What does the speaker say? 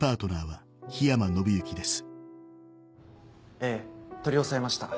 ええ取り押さえました。